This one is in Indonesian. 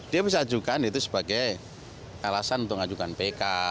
dia bisa ajukan itu sebagai alasan untuk ajukan pk